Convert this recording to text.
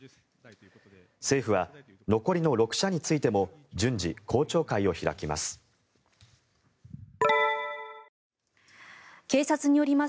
政府は残りの６社についても順次、公聴会を開きます。